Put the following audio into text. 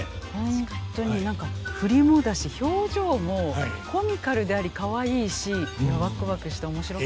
ホントに何か振りもだし表情もコミカルでありカワイイしワクワクして面白かった。